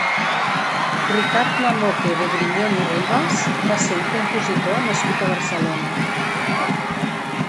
Ricard Lamote de Grignon i Ribas va ser un compositor nascut a Barcelona.